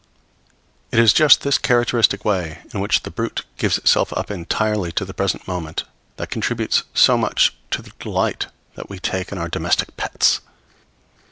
It is just this characteristic way in which the brute gives itself up entirely to the present moment that contributes so much to the delight we take in our domestic pets.